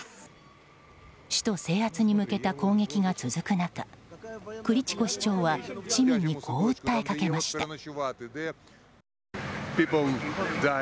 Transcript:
首都制圧に向けた攻撃が続く中クリチコ市長は市民にこう訴えかけました。